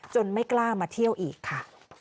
ไม่กล้ามาเที่ยวอีกค่ะ